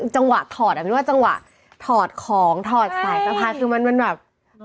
จังหวะถอดจังหวะถอดของถอดสายสะพานคือมันแบบ